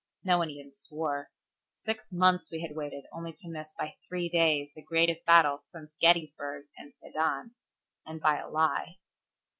No one even swore. Six months we had waited only to miss by three days the greatest battle since Gettysburg and Sedan. And by a lie.